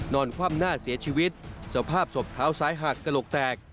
คว่ำหน้าเสียชีวิตสภาพศพเท้าซ้ายหักกระโหลกแตก